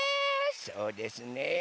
そうですね。